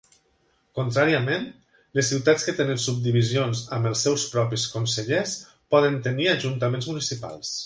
Contràriament, les ciutats que tenen subdivisions amb els seus propis consellers poden tenir ajuntaments municipals.